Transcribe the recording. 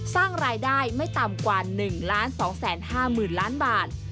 สร้างรายได้ไม่ต่ำกว่า๑๒๕๐๐๐ล้านบาท